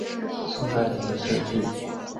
宋代仍有设置。